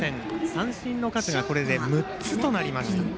三振の数がこれで６つとなりました。